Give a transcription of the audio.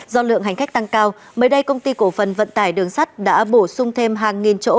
do lượng hành khách tăng cao mới đây công ty cổ phần vận tải đường sắt đã bổ sung thêm hàng nghìn chỗ